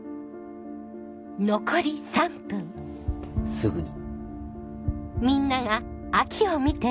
すぐに。